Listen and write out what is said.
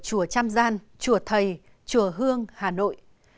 chuyện xảy ra ở chùa tram gian chùa thầy chùa hương hà nội